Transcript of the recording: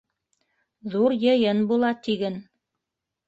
Ҙур йыйын була, тиген.